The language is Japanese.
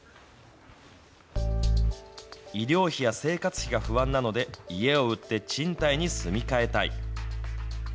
医療費や生活費が不安なので、家を売って賃貸に住み替えたい。